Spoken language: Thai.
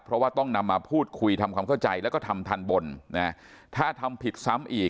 เพราะว่าต้องนำมาพูดคุยทำความเข้าใจแล้วก็ทำทันบนนะถ้าทำผิดซ้ำอีก